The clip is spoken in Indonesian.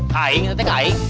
kaing tete kaing